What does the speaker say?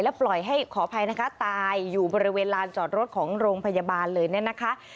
ปล่อยให้ขออภัยนะคะตายอยู่บริเวณลานจอดรถของโรงพยาบาลเลยเนี่ยนะคะ